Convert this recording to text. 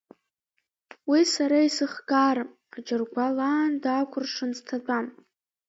Уи сара исыхкаарам, аџьыргәал аанда акәыршан сҭатәам.